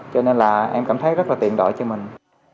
cho nên là em cảm thấy rất là tiện lợi cho mình